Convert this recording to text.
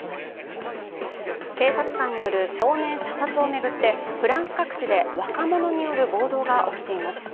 警察官による少年射殺を巡って、フランス各地で若者による暴動が起きています。